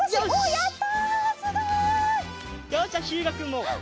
やった！